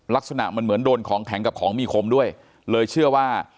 ลักษณะมันเหมือนโดนของแข็งกับของมีคมด้วยเลยเชื่อว่า